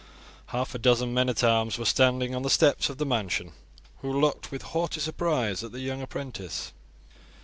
Half a dozen men at arms were standing on the steps of the mansion, who looked with haughty surprise at the young apprentice.